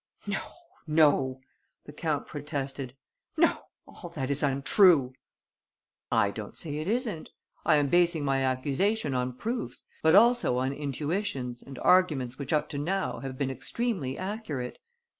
"No, no," the count protested. "No, all that is untrue." "I don't say it isn't. I am basing my accusation on proofs, but also on intuitions and arguments which up to now have been extremely accurate.